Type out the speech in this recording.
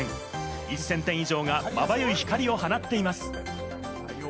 １０００点以上がまばゆい光を放っています。